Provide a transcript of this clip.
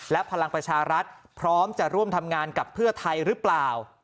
และพลังประชารัฐพร้อมจะร่วมทำงานกับเพื่อไทยหรือเปล่า